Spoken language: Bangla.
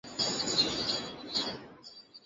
মধ্যরাতে জেগে আছো যে, কাল স্কুল নেই?